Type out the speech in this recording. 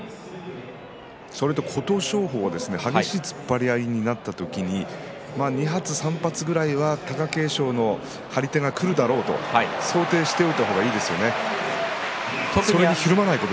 琴勝峰は激しい突っ張り合いになった時に２発、３発くらいは貴景勝の張り手がくるだろうと想定しておいた方がいいですね。